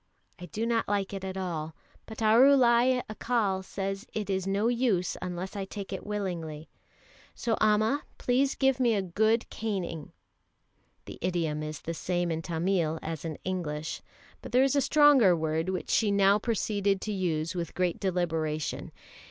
I do not like it at all, but Arulai Accal says it is no use unless I take it willingly, so Amma, please give me a good caning." (The idiom is the same in Tamil as in English, but there is a stronger word which she now proceeded to use with great deliberation.)